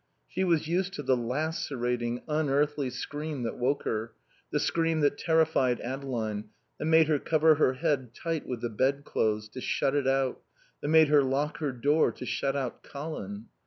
She was used to the lacerating, unearthly scream that woke her, the scream that terrified Adeline, that made her cover her head tight with the bed clothes, to shut it out, that made her lock her door to shut out Colin.